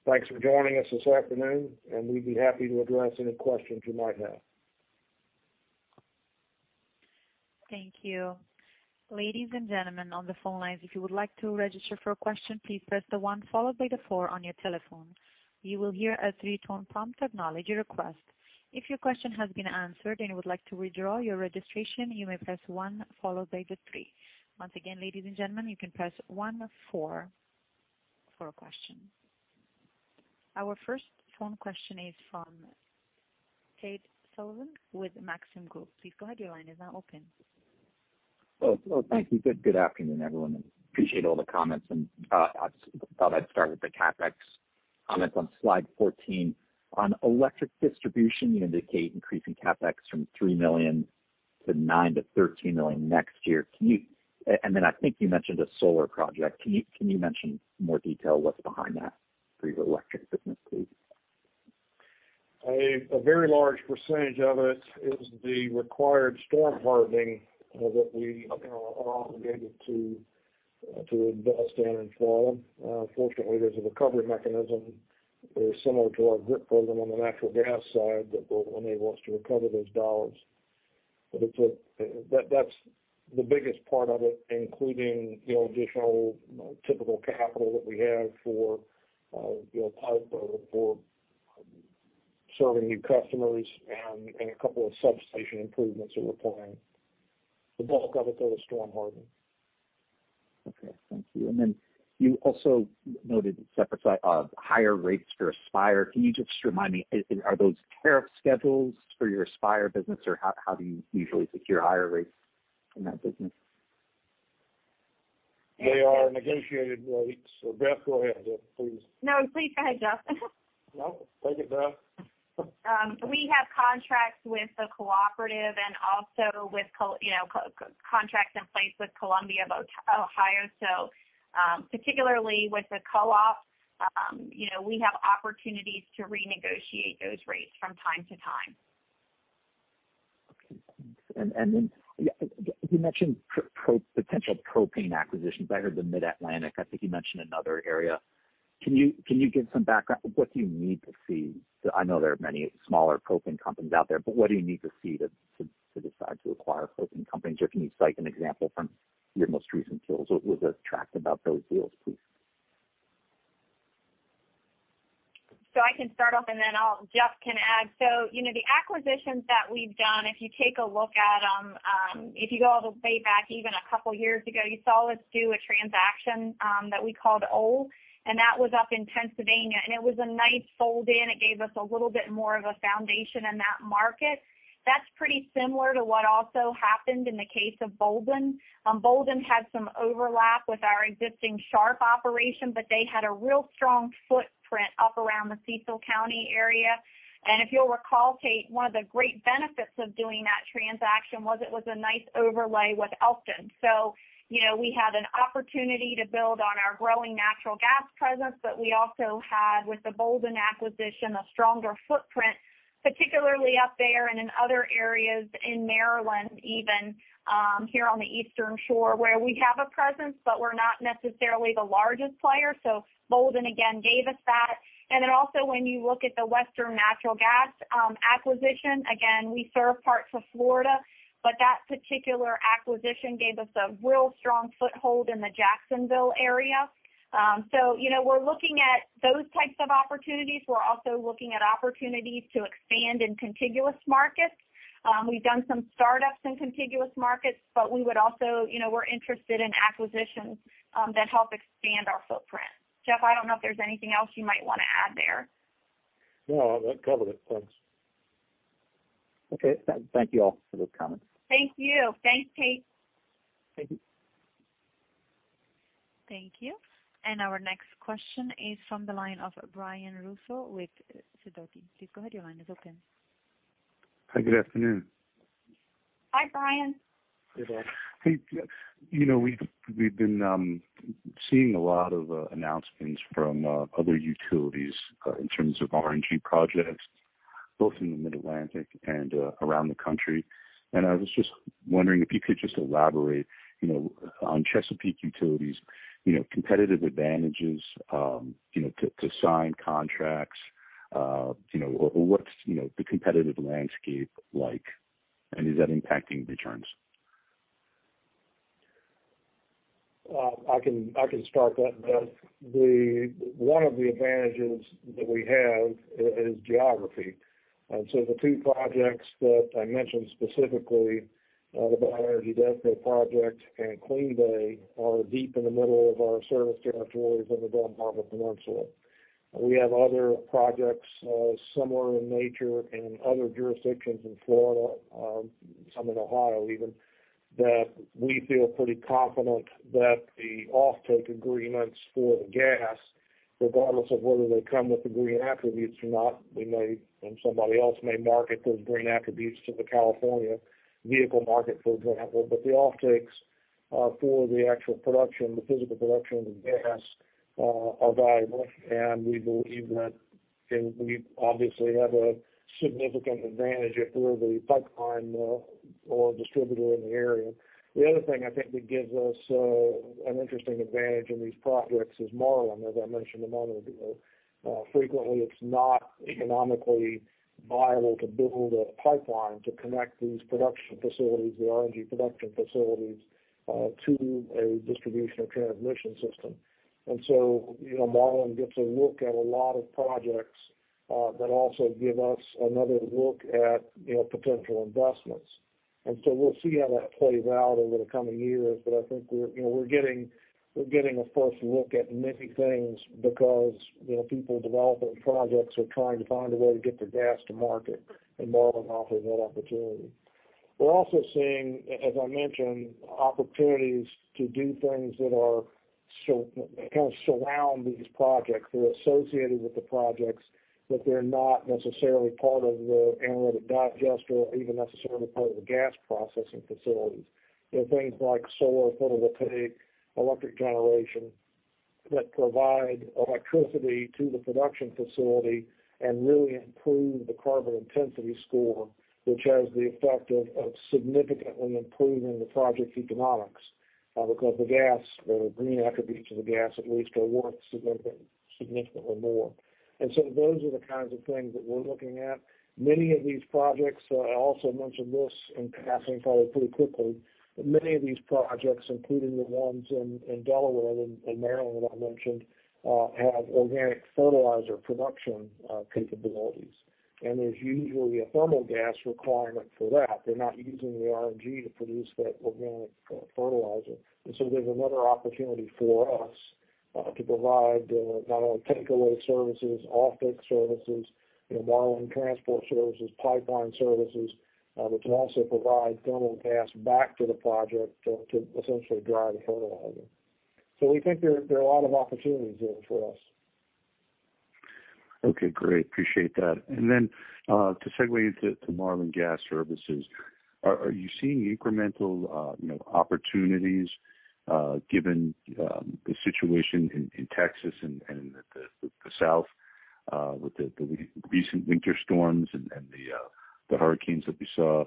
Thanks for joining us this afternoon, and we'd be happy to address any questions you might have. Thank you. Ladies and gentlemen on the phone lines, if you would like to register for a question, please press the one followed by the four on your telephone. You will hear a three-tone prompt that acknowledges your request. If your question has been answered and you would like to withdraw your registration, you may press one followed by the three. Once again, ladies and gentlemen, you can press 1, 4 for a question. Our first phone question is from Tate Sullivan with Maxim Group. Please go ahead. Your line is now open. Oh, thank you. Good afternoon, everyone. Appreciate all the comments. And I thought I'd start with the CapEx comments on slide 14. On electric distribution, you indicate increasing CapEx from $3 million to $9-$13 million next year. And then I think you mentioned a solar project. Can you mention more detail what's behind that for your electric business, please? A very large percentage of it is the required storm hardening that we are obligated to invest in and follow. Fortunately, there's a recovery mechanism very similar to our GRIP program on the natural gas side that will enable us to recover those dollars. That's the biggest part of it, including additional typical capital that we have for pipe, for serving new customers, and a couple of substation improvements that we're planning. The bulk of it, though, is storm hardening. Okay. Thank you. And then you also noted a separate higher rates for Aspire. Can you just remind me, are those tariff schedules for your Aspire business, or how do you usually secure higher rates in that business? They are negotiated rates. Beth, go ahead, please. No, please go ahead, Jeff. No, take it, Beth. We have contracts with the cooperative and also with contracts in place with Columbia Gas of Ohio. So particularly with the co-op, we have opportunities to renegotiate those rates from time to time. Okay. Thanks. And then you mentioned potential propane acquisitions. I heard the Mid-Atlantic. I think you mentioned another area. Can you give some background? What do you need to see? I know there are many smaller propane companies out there, but what do you need to see to decide to acquire propane companies? Or can you cite an example from your most recent deals? What was the track about those deals, please? So I can start off, and then Jeff can add. So the acquisitions that we've done, if you take a look at them, if you go all the way back even a couple of years ago, you saw us do a transaction that we called Ohl, and that was up in Pennsylvania. And it was a nice fold-in. It gave us a little bit more of a foundation in that market. That's pretty similar to what also happened in the case of Boulden. Boulden had some overlap with our existing Sharp operation, but they had a real strong footprint up around the Cecil County area. And if you'll recall, Tate, one of the great benefits of doing that transaction was it was a nice overlay with Elkton. So we had an opportunity to build on our growing natural gas presence, but we also had, with the Boulden acquisition, a stronger footprint, particularly up there and in other areas in Maryland, even here on the Eastern Shore, where we have a presence, but we're not necessarily the largest player. So Boulden, again, gave us that. And then also, when you look at the Western Natural Gas acquisition, again, we serve parts of Florida, but that particular acquisition gave us a real strong foothold in the Jacksonville area. So we're looking at those types of opportunities. We're also looking at opportunities to expand in contiguous markets. We've done some startups in contiguous markets, but we would also, we're interested in acquisitions that help expand our footprint. Jeff, I don't know if there's anything else you might want to add there. No, that covered it. Thanks. Okay. Thank you all for those comments. Thank you. Thanks, Tate. Thank you. Thank you. And our next question is from the line of Brian Russo with Sidoti & Company. Please go ahead. Your line is open. Hi, good afternoon. Hi, Brian. Hey, Brian. We've been seeing a lot of announcements from other utilities in terms of RNG projects, both in the Mid-Atlantic and around the country. And I was just wondering if you could just elaborate on Chesapeake Utilities' competitive advantages to sign contracts or what's the competitive landscape like, and is that impacting returns? I can start that, Beth. One of the advantages that we have is geography. So the two projects that I mentioned specifically, the Bioenergy Devco Project and CleanBay, are deep in the middle of our service territories in the Delmarva Peninsula. We have other projects similar in nature in other jurisdictions in Florida, some in Ohio even, that we feel pretty confident that the offtake agreements for the gas, regardless of whether they come with the green attributes or not, we may, and somebody else may market those green attributes to the California vehicle market, for example. But the offtakes for the actual production, the physical production of the gas, are valuable, and we believe that we obviously have a significant advantage if we're the pipeline or distributor in the area. The other thing I think that gives us an interesting advantage in these projects is Marlin, as I mentioned a moment ago. Frequently, it's not economically viable to build a pipeline to connect these production facilities, the RNG production facilities, to a distribution or transmission system. And so Marlin gets a look at a lot of projects that also give us another look at potential investments. And so we'll see how that plays out over the coming years, but I think we're getting a first look at many things because people developing projects are trying to find a way to get their gas to market, and Marlin offers that opportunity. We're also seeing, as I mentioned, opportunities to do things that are kind of surround these projects. They're associated with the projects, but they're not necessarily part of the anaerobic digester or even necessarily part of the gas processing facilities. There are things like solar photovoltaic, electric generation that provide electricity to the production facility and really improve the carbon intensity score, which has the effect of significantly improving the project's economics because the gas or green attributes of the gas, at least, are worth significantly more. And so those are the kinds of things that we're looking at. Many of these projects, I also mentioned this in passing, probably pretty quickly, but many of these projects, including the ones in Delaware and Maryland that I mentioned, have organic fertilizer production capabilities, and there's usually a thermal gas requirement for that. They're not using the RNG to produce that organic fertilizer. And so there's another opportunity for us to provide not only takeaway services, offtake services, Marlin transport services, pipeline services, but to also provide thermal gas back to the project to essentially drive the fertilizer. So we think there are a lot of opportunities there for us. Okay. Great. Appreciate that. And then to segue into Marlin Gas Services, are you seeing incremental opportunities given the situation in Texas and the South with the recent winter storms and the hurricanes that we saw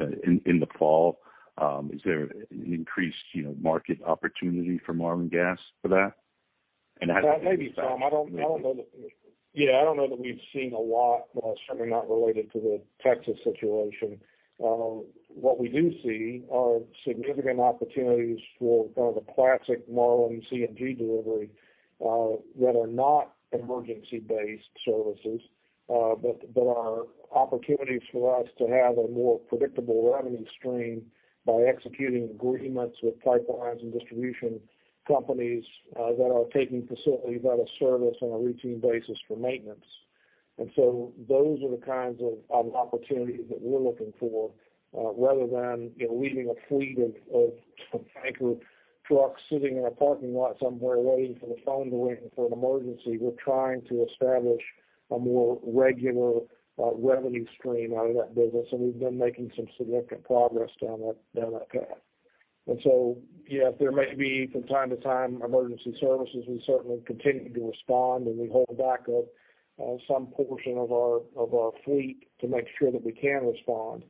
in the fall? Is there an increased market opportunity for Marlin Gas Services for that? And has it been? That may be some. I don't know that we, yeah, I don't know that we've seen a lot, certainly not related to the Texas situation. What we do see are significant opportunities for kind of the classic Marlin CNG delivery that are not emergency-based services, but are opportunities for us to have a more predictable revenue stream by executing agreements with pipelines and distribution companies that are taking facilities out of service on a routine basis for maintenance. Those are the kinds of opportunities that we're looking for. Rather than leaving a fleet of tanker trucks sitting in a parking lot somewhere waiting for the phone to ring for an emergency, we're trying to establish a more regular revenue stream out of that business, and we've been making some significant progress down that path. Yeah, there may be from time to time emergency services. We certainly continue to respond, and we hold back some portion of our fleet to make sure that we can respond.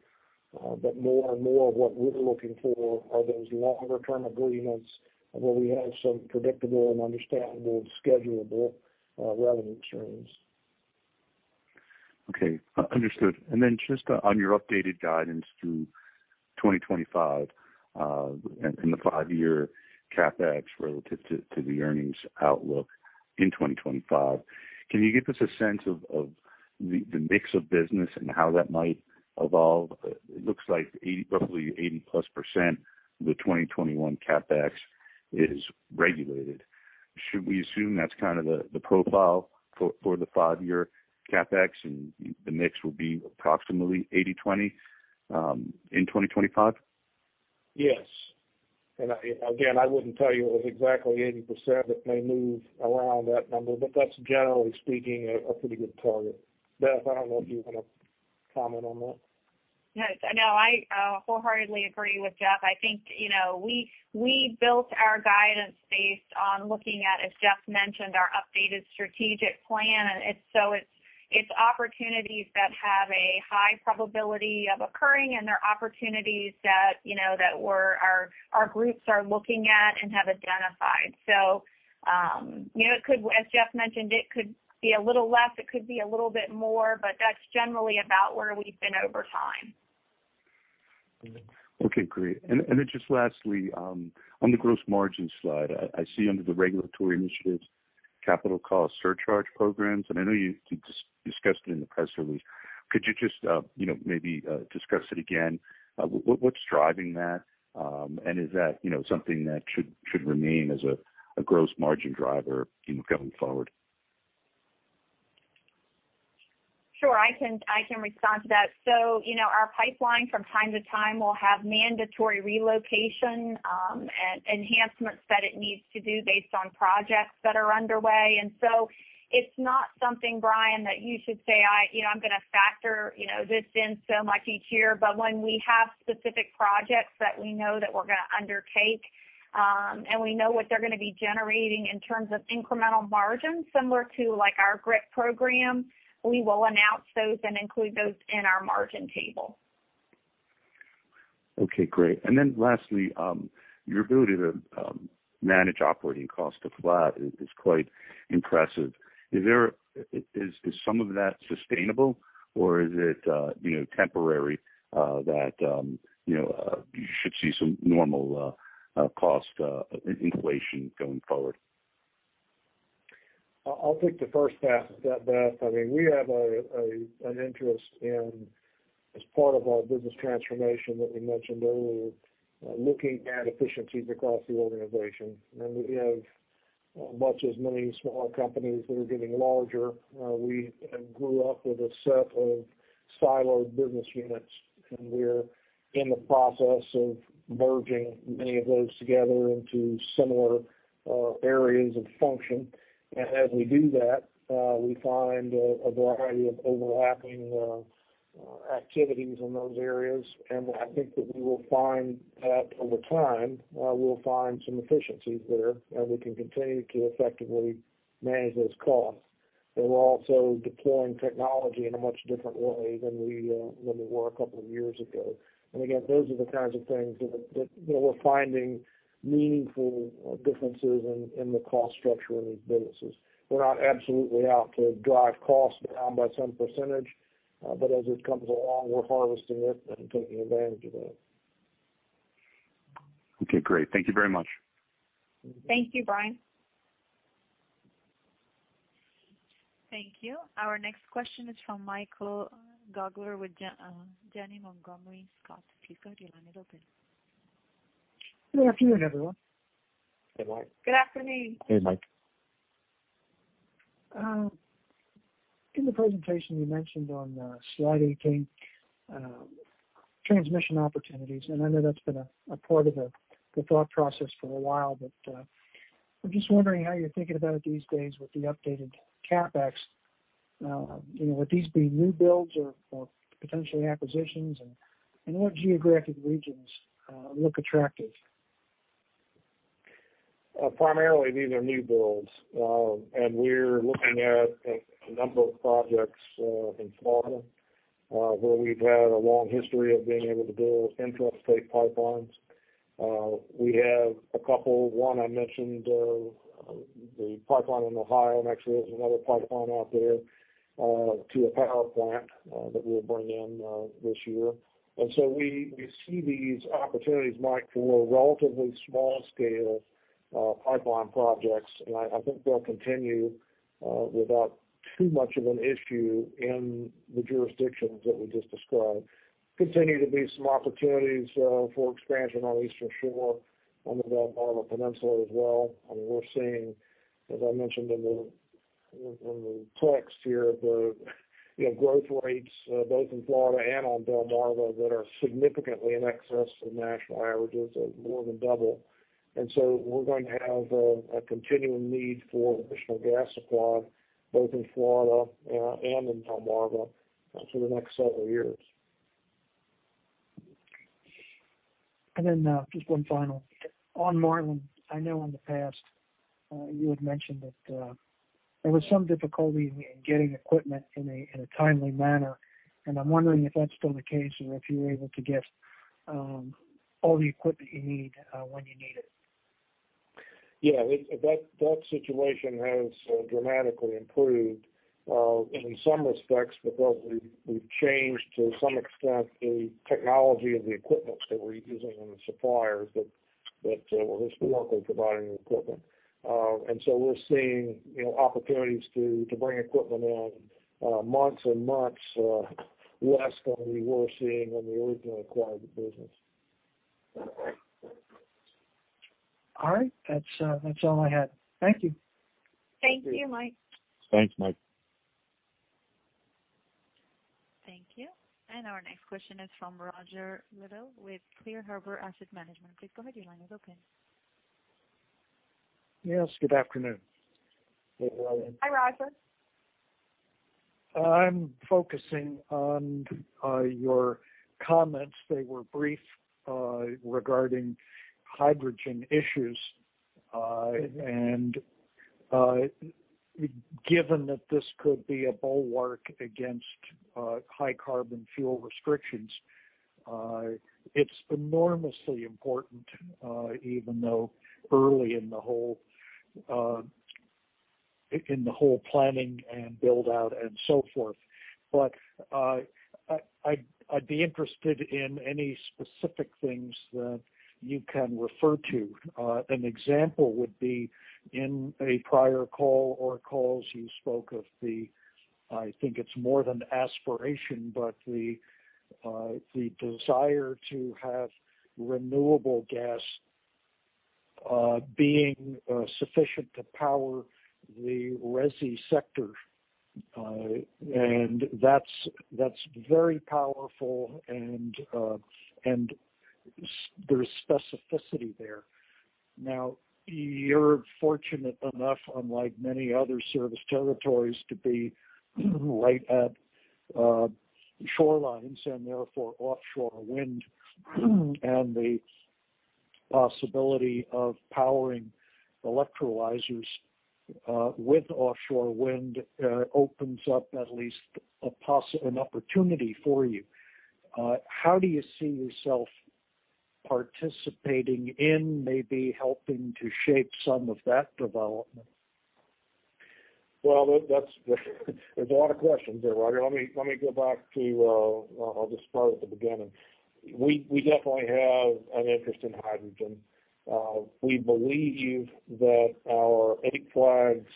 But more and more of what we're looking for are those longer-term agreements where we have some predictable and understandable schedulable revenue streams. Okay. Understood. And then just on your updated guidance through 2025 and the five-year CapEx relative to the earnings outlook in 2025, can you give us a sense of the mix of business and how that might evolve? It looks like roughly 80+% of the 2021 CapEx is regulated. Should we assume that's kind of the profile for the five-year CapEx, and the mix will be approximately 80%-20% in 2025? Yes. And again, I wouldn't tell you it was exactly 80%. It may move around that number, but that's, generally speaking, a pretty good target. Beth, I don't know if you want to comment on that. No, I wholeheartedly agree with Jeff. I think we built our guidance based on looking at, as Jeff mentioned, our updated strategic plan. So it's opportunities that have a high probability of occurring, and they're opportunities that our groups are looking at and have identified. So as Jeff mentioned, it could be a little less. It could be a little bit more, but that's generally about where we've been over time. Okay. Great. And then just lastly, on the gross margin slide, I see under the regulatory initiatives, capital cost surcharge programs. And I know you discussed it in the press release. Could you just maybe discuss it again? What's driving that, and is that something that should remain as a gross margin driver going forward? Sure. I can respond to that. So our pipeline, from time to time, will have mandatory relocation enhancements that it needs to do based on projects that are underway. It's not something, Brian, that you should say, "I'm going to factor this in so much each year." But when we have specific projects that we know that we're going to undertake and we know what they're going to be generating in terms of incremental margin, similar to our GRIP program, we will announce those and include those in our margin table. Okay. Great. And then lastly, your ability to manage operating costs to flat is quite impressive. Is some of that sustainable, or is it temporary that you should see some normal cost inflation going forward? I'll take the first step, Beth. I mean, we have an interest in, as part of our business transformation that we mentioned earlier, looking at efficiencies across the organization. And we have, as many smaller companies that are getting larger. We grew up with a set of siloed business units, and we're in the process of merging many of those together into similar areas of function, and as we do that, we find a variety of overlapping activities in those areas, and I think that we will find that over time, we'll find some efficiencies there, and we can continue to effectively manage those costs, and we're also deploying technology in a much different way than we were a couple of years ago, and again, those are the kinds of things that we're finding meaningful differences in the cost structure in these businesses. We're not absolutely out to drive costs down by some percentage, but as it comes along, we're harvesting it and taking advantage of that. Okay. Great. Thank you very much. Thank you, Brian. Thank you. Our next question is from Michael Gaugler with Janney Montgomery Scott. Good afternoon, everyone. Hey, Mike. Good afternoon. Hey, Mike. In the presentation you mentioned on slide 18, transmission opportunities. And I know that's been a part of the thought process for a while, but I'm just wondering how you're thinking about it these days with the updated CapEx. Would these be new builds or potentially acquisitions? And what geographic regions look attractive? Primarily, these are new builds. And we're looking at a number of projects in Florida where we've had a long history of being able to build infrastructure pipelines. We have a couple. One, I mentioned the pipeline in Ohio. Actually, there's another pipeline out there to a power plant that we'll bring in this year. And so we see these opportunities, Mike, for relatively small-scale pipeline projects. And I think they'll continue without too much of an issue in the jurisdictions that we just described. continue to be some opportunities for expansion on the Eastern Shore, on the Delmarva Peninsula as well. I mean, we're seeing, as I mentioned in the text here, the growth rates both in Florida and on Delmarva that are significantly in excess of national averages. They're more than double. And so we're going to have a continuing need for additional gas supply both in Florida and in Delmarva for the next several years. And then just one final. On Marlin, I know in the past you had mentioned that there was some difficulty in getting equipment in a timely manner. And I'm wondering if that's still the case or if you're able to get all the equipment you need when you need it. Yeah. That situation has dramatically improved in some respects because we've changed to some extent the technology of the equipment that we're using and the suppliers that were historically providing the equipment. And so we're seeing opportunities to bring equipment in months and months less than we were seeing when we originally acquired the business. All right. That's all I had. Thank you. Thank you, Mike. Thanks, Mike. Thank you. And our next question is from Roger Liddell with Clear Harbor Asset Management. Please go ahead. Your line is open. Yes. Good afternoon. Hi, Roger. I'm focusing on your comments. They were brief regarding hydrogen issues. And given that this could be a bulwark against high-carbon fuel restrictions, it's enormously important even though early in the whole planning and build-out and so forth. But I'd be interested in any specific things that you can refer to. An example would be in a prior call or calls, you spoke of the, I think it's more than aspiration, but the desire to have renewable gas being sufficient to power the resi sector. And that's very powerful, and there's specificity there. Now, you're fortunate enough, unlike many other service territories, to be right at shorelines and therefore offshore wind. And the possibility of powering electrolyzers with offshore wind opens up at least an opportunity for you. How do you see yourself participating in maybe helping to shape some of that development? Well, there's a lot of questions there, Roger. Let me go back to. I'll just start at the beginning. We definitely have an interest in hydrogen. We believe that our Eight Flags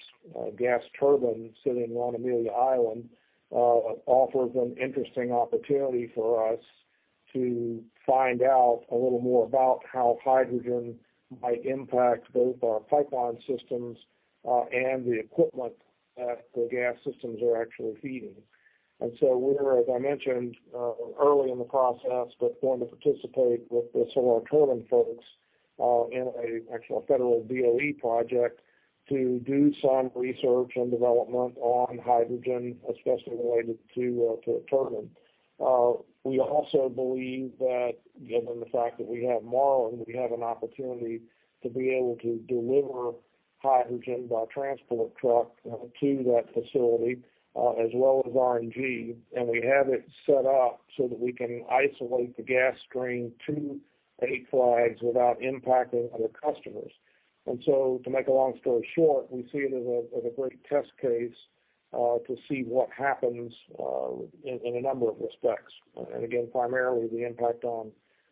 gas turbine sitting on Amelia Island offers an interesting opportunity for us to find out a little more about how hydrogen might impact both our pipeline systems and the equipment that the gas systems are actually feeding. And so we're, as I mentioned, early in the process, but going to participate with the Solar Turbines folks in an actual federal DOE project to do some research and development on hydrogen, especially related to a turbine. We also believe that, given the fact that we have Marlin, we have an opportunity to be able to deliver hydrogen by transport truck to that facility as well as RNG. And we have it set up so that we can isolate the gas stream to Eight Flags without impacting other customers. To make a long story short, we see it as a great test case to see what happens in a number of respects. And again, primarily the impact on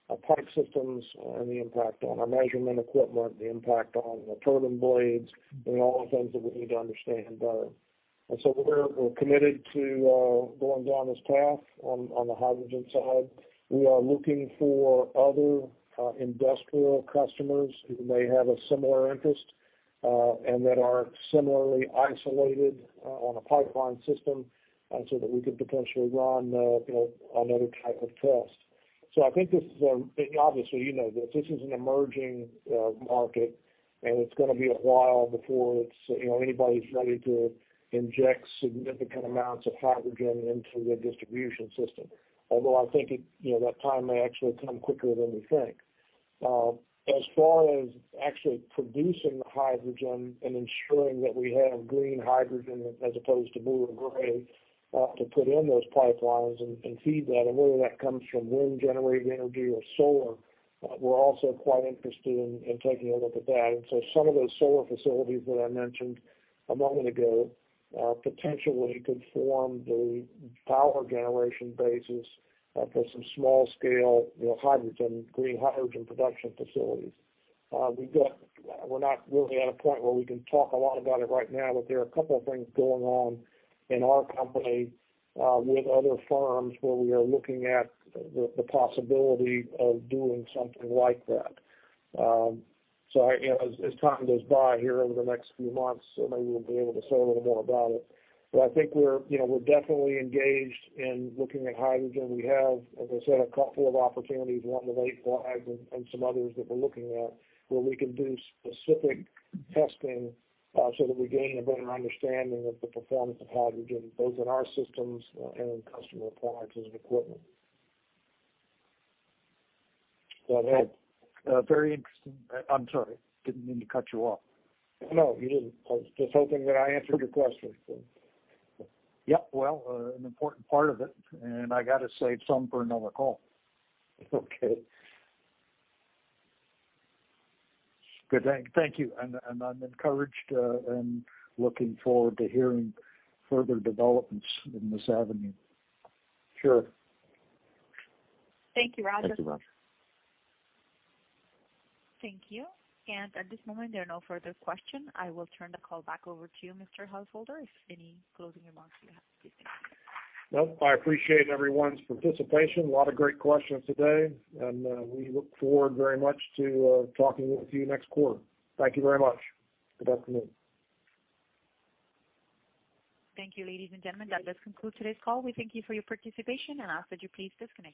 pipe systems and the impact on our measurement equipment, the impact on the turbine blades, and all the things that we need to understand better. And so we're committed to going down this path on the hydrogen side. We are looking for other industrial customers who may have a similar interest and that are similarly isolated on a pipeline system so that we could potentially run another type of test. So I think this is a, obviously, you know this. This is an emerging market, and it's going to be a while before anybody's ready to inject significant amounts of hydrogen into the distribution system. Although I think that time may actually come quicker than we think. As far as actually producing the hydrogen and ensuring that we have green hydrogen as opposed to blue or gray to put in those pipelines and feed that, and whether that comes from wind-generated energy or solar, we're also quite interested in taking a look at that, and so some of those solar facilities that I mentioned a moment ago potentially could form the power generation basis for some small-scale hydrogen, green hydrogen production facilities. We're not really at a point where we can talk a lot about it right now, but there are a couple of things going on in our company with other firms where we are looking at the possibility of doing something like that, so as time goes by here over the next few months, maybe we'll be able to say a little more about it, but I think we're definitely engaged in looking at hydrogen. We have, as I said, a couple of opportunities, one of the Eight Flags and some others that we're looking at where we can do specific testing so that we gain a better understanding of the performance of hydrogen both in our systems and in customer appliances and equipment. Does that help? Very interesting. I'm sorry. Didn't mean to cut you off. No, you didn't. I was just hoping that I answered your question. Yep. Well, an important part of it. And I got to save some for another call. Okay. Good. Thank you. And I'm encouraged and looking forward to hearing further developments in this avenue. Sure. Thank you, Roger. Thank you, Roger. Thank you. And at this moment, there are no further questions. I will turn the call back over to you, Mr. Householder. If any closing remarks you have, please do. Nope. I appreciate everyone's participation. A lot of great questions today. And we look forward very much to talking with you next quarter. Thank you very much. Good afternoon. Thank you, ladies and gentlemen. That does conclude today's call. We thank you for your participation. And I'll ask you please to disconnect.